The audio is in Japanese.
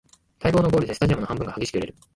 待望のゴールでスタジアムの半分が激しく揺れる